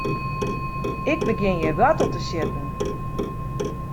Ik begjin hjir woartel te sjitten.